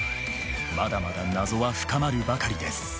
まだまだ謎は深まるばかりです。